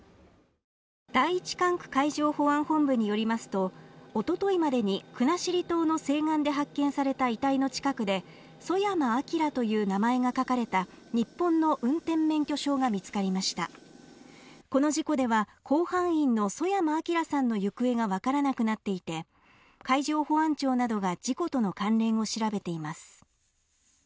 第１管区海上保安本部によりますとおとといまでに国後島の西岸で発見された遺体の近くでソヤマアキラという名前が書かれた日本の運転免許証が見つかりましたこの事故では甲板員の曽山聖さんの行方が分からなくなっていて海上保安庁などが事故との関連を調べています